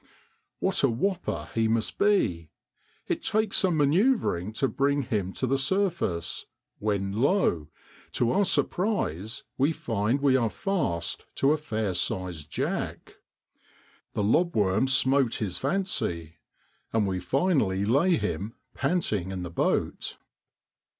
What a whopper he must be! it takes some manosuvreing to bring him to the surface; when lo! to our surprise, we find we are fast to a fair sized jack. The lob worm smote his fancy. And we finally lay him panting in the boat.